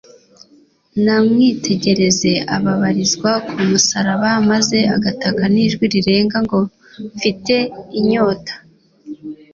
Namwitegereze ababarizwa ku musaraba maze agataka n'ijwi rirenga ngo «Mfite inyota».